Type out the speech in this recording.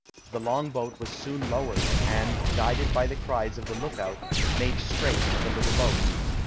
The long boat was soon lowered, and, guided by the cries of the lookout, made straight for the little boat.